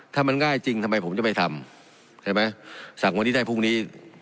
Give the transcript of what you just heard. ถ้ามันง่ายจริงทำไมผมจะไปทำใช่ไหมสั่งวันนี้ได้พรุ่งนี้